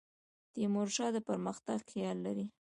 تیمور شاه د پرمختګ خیال لري.